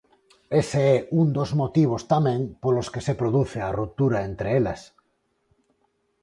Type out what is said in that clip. Ese é un dos motivos, tamén, polos que se produce a ruptura entre elas.